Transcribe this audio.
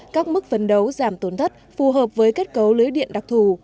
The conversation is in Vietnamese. các mức vấn đấu giảm tổn thất phù hợp với kết cấu lưới điện đặc thù